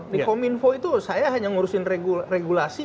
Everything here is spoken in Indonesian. di kominfo itu saya hanya ngurusin regulasi